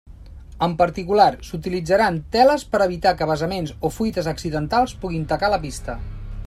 En particular, s'utilitzaran teles per evitar que vessaments o fuites accidentals puguin tacar la pista.